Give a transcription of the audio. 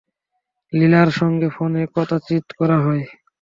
লীনার সঙ্গে ফোনে কদাচিৎ কথা হয়।